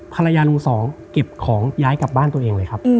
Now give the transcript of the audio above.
ลุงสองเก็บของย้ายกลับบ้านตัวเองเลยครับ